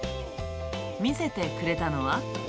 見せてくれたのは。